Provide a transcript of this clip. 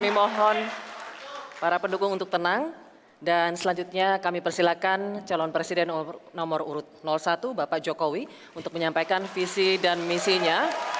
kami mohon para pendukung untuk tenang dan selanjutnya kami persilakan calon presiden nomor urut satu bapak jokowi untuk menyampaikan visi dan misinya